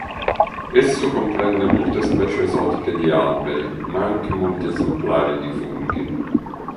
Esso comprende molte specie esotiche di alberi, ma anche molti esemplari di funghi.